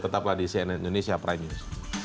tetaplah di cnn indonesia prime news